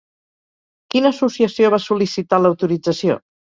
Quina associació va sol·licitar l'autorització?